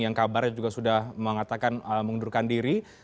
yang kabarnya juga sudah mengatakan mengundurkan diri